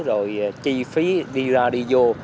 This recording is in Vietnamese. rồi chi phí đi ra đi vô